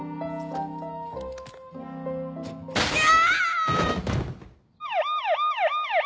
うわ！